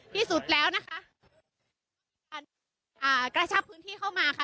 ที่สุดแล้วนะคะอ่ากระชับพื้นที่เข้ามาค่ะ